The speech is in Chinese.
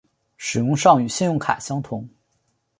使用上与信用卡相同。